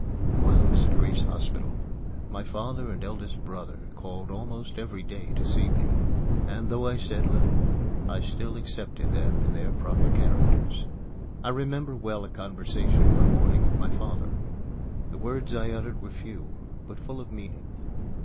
While I was at Grace Hospital, my father and eldest brother called almost every day to see me, and, though I said little, I still accepted them in their proper characters. I remember well a conversation one morning with my father. The words I uttered were few, but full of meaning.